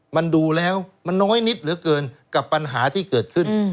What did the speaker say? มันดูแล้วมันน้อยนิดเหลือเกินกับปัญหาที่เกิดขึ้น